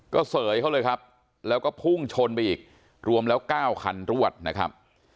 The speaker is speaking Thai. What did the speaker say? ก็เสยเขาเลยครับแล้วก็พุ่งชนไปอีกรวมแล้ว๙คันรวดนะครับ